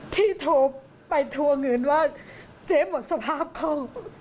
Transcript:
ที่โทรไปโทรเงินว่าเจ๊หมดสภาพข้อง